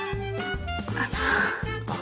あの。